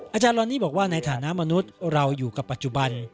อาจารย์ลอนนี่บอกว่าในฐานะมนุษย์เราอยู่กับปัจจุบัน